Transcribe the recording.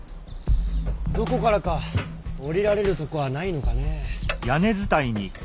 どこからか下りられるとこはないのかねえ？